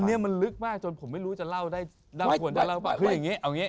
อันเนี้ยมันลึกมากจนผมไม่รู้จะเล่าได้ด้านตรวจจะเล่าได้คืออย่างเงี้ยเอาเงี้ย